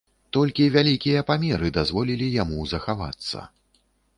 Толькі вялікія памеры дазволілі яму захавацца.